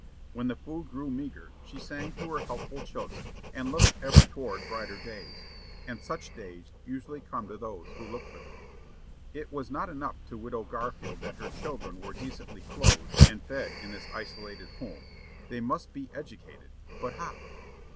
When the food grew meagre she sang to her helpful children, and looked ever toward brighter days. And such days usually come to those who look for them. It was not enough to widow Garfield that her children were decently clothed and fed in this isolated home. They must be educated; but how?